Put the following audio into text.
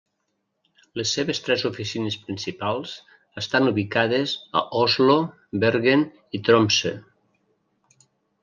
Les seves tres oficines principals estan ubicades a Oslo, Bergen i Tromsø.